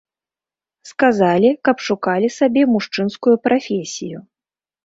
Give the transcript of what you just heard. Сказалі, каб шукалі сабе мужчынскую прафесію.